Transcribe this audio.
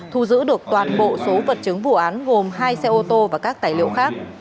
thu giữ được toàn bộ số vật chứng vụ án gồm hai xe ô tô và các tài liệu khác